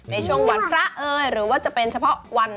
ในช่วงวันพระเอ๋ยหรือว่าจะเป็นเฉพาะวัน